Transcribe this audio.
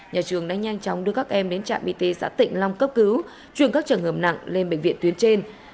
nhà trường đã nhanh chóng đưa các em đến trạm y tế xã tịnh long cấp cứu chuyển các trường hợp nặng lên bệnh viện tuyến trên